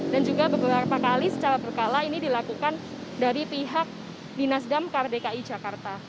dan juga beberapa kali secara berkala ini dilakukan dari pihak dinas damkar dki jakarta